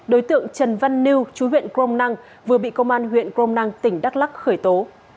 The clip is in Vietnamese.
đối tượng trần văn niu chú huyện công năng vừa bị công an huyện công năng tỉnh đắk lắc khởi tố